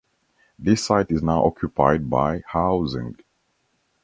The site is now occupied by housing.